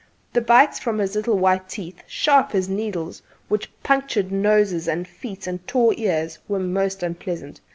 The bites from his little white teeth sharp as needles which punctured noses and feet and tore ears, were most unpleasant.